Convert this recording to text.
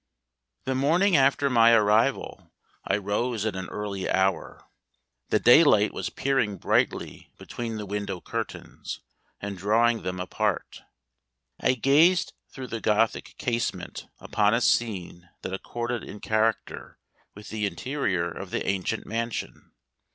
The morning after my arrival, I rose at an early hour. The daylight was peering brightly between the window curtains, and drawing them apart, I gazed through the Gothic casement upon a scene that accorded in character with the interior of the ancient mansion.